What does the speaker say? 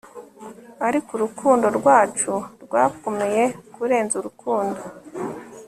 Ariko urukundo rwacu rwakomeye kurenza urukundo